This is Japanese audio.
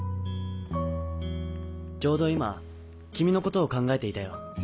「ちょうど今君のことを考えていたよ」。